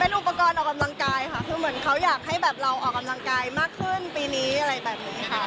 เป็นอุปกรณ์ออกกำลังกายค่ะเขาอยากให้เราออกกำลังกายมากขึ้นปีนี้อะไรแบบนี้ค่ะ